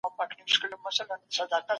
په سیاست کې فزیکي زور څه مانا لري؟